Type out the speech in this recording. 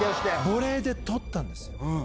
ボレーで取ったんですよ。